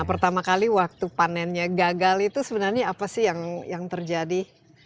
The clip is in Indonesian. pertama kali waktu panennya gagal itu sebenarnya apa sih yang terjadi